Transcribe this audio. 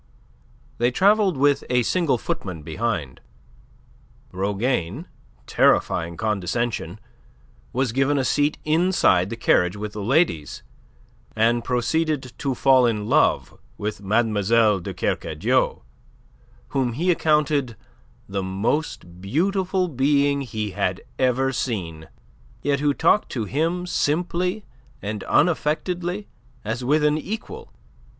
They travelled with a single footman behind. Rougane terrifying condescension was given a seat inside the carriage with the ladies, and proceeded to fall in love with Mlle. de Kercadiou, whom he accounted the most beautiful being he had ever seen, yet who talked to him simply and unaffectedly as with an equal.